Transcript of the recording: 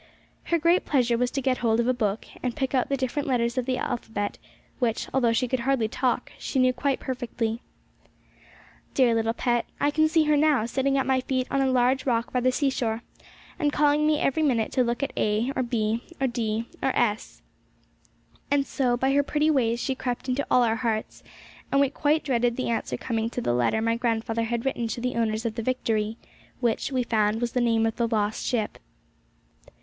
Her great pleasure was to get hold of a book, and pick out the different letters of the alphabet, which, although she could hardly talk, she knew quite perfectly. Dear little pet! I can see her now, sitting at my feet on a large flat rock by the seashore, and calling me every minute to look at A, or B, or D, or S. And so by her pretty ways she crept into all our hearts, and we quite dreaded the answer coming to the letter my grandfather had written to the owners of the Victory, which, we found, was the name of the lost ship.